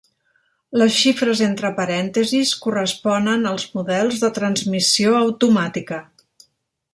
Les xifres entre parèntesis corresponen als models de transmissió automàtica.